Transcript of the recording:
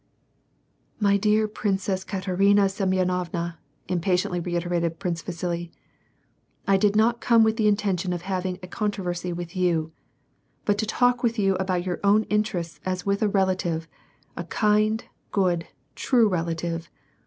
"My dear Princess Katerina Semyonovna," impatiently reiterated Prince Vasili, " I did not come with the intention of having a controversy with you, but to talk with you about your own interests as with a relative, a kind, good, true rela tive.